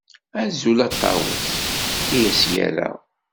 Azul a Ṭawes! I as-yerra.